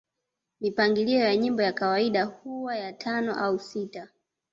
Mipangilio ya nyimbo ya kawaida huwa ya tano au sita